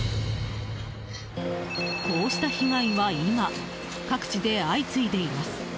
こうした被害は今、各地で相次いでいます。